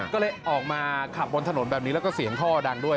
ก็เลยออกมาขับบนถนนแบบนี้แล้วก็เสียงท่อดังด้วย